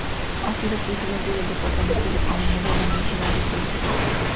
Ha sido presidente del departamento de economía de la Universidad de Princeton.